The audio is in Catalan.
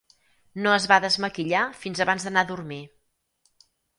No es va desmaquillar fins abans d'anar a dormir.